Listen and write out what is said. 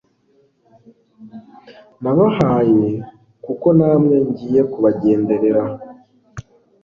nabahaye, kuko namwe ngiye kubagenderera